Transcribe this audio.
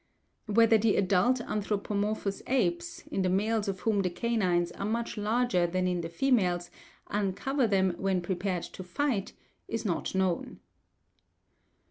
Whether the adult anthropomorphous apes, in the males of whom the canines are much larger than in the females, uncover them when prepared to fight, is not known.